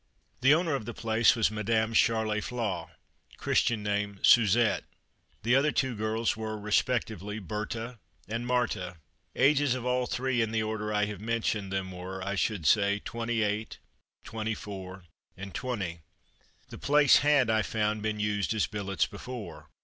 The owner of the place was Madame Charlet Flaw, Christian name Suzette. The other two girls were, respectively, Berthe and Marthe. Ages of all three in the order I have mentioned them were, I should say, twenty eight, twenty four, and twenty. The place had, I found, been used as billets before.